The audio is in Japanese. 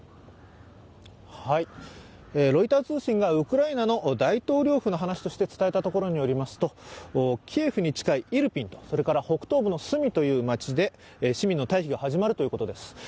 ロイター通信がウクライナの大統領府の話として伝えたところによりますとキエフに近いイルピン、北東部のスミという街で市民の退避が始まるということです。